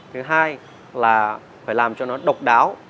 thứ hai là phải làm cho nó độc đáo